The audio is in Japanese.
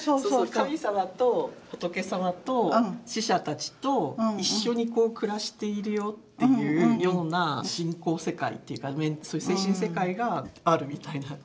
神様と仏様と死者たちと一緒に暮らしているよっていうような信仰世界っていうかそういう精神世界があるみたいな。